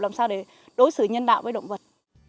làm sao để đối xử nhân đạo với động vật